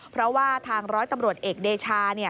เพราะว่าทางร้อยตำรวจเอกเดชา